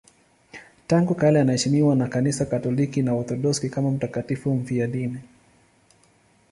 Tangu kale anaheshimiwa na Kanisa Katoliki na Waorthodoksi kama mtakatifu mfiadini.